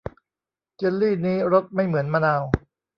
เจลลี่นี้รสไม่เหมือนมะนาว